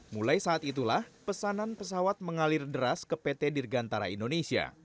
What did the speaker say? mulai saat itulah pesanan pesawat mengalir deras ke pt dirgantara indonesia